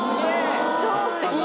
超すてき！